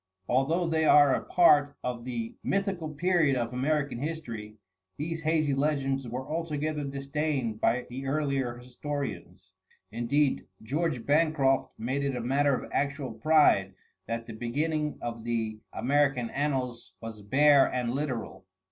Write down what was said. Although they are a part of the mythical period of American history, these hazy legends were altogether disdained by the earlier historians; indeed, George Bancroft made it a matter of actual pride that the beginning of the American annals was bare and literal.